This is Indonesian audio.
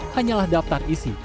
hanyalah daftar isi